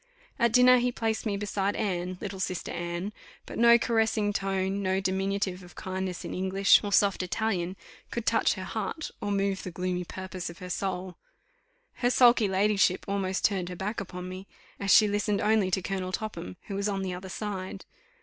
At dinner he placed me beside Anne, little sister Anne; but no caressing tone, no diminutive of kindness in English, or soft Italian, could touch her heart, or move the gloomy purpose of her soul. Her sulky ladyship almost turned her back upon me, as she listened only to Colonel Topham, who was on the other side.